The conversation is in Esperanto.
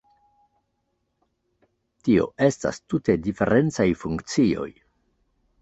Tio estas tute diferencaj funkcioj.